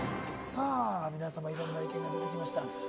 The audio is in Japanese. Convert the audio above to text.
いろんな意見が出てきました。